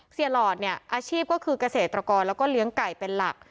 หลอดเนี่ยอาชีพก็คือเกษตรกรแล้วก็เลี้ยงไก่เป็นหลัก